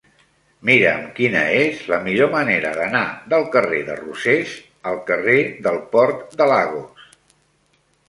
Mira'm quina és la millor manera d'anar del carrer de Rosés al carrer del Port de Lagos.